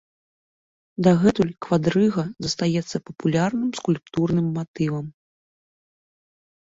Дагэтуль квадрыга застаецца папулярным скульптурным матывам.